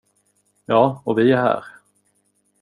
Ja, och vi är här.